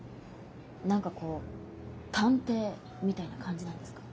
何かこう探偵みたいな感じなんですか？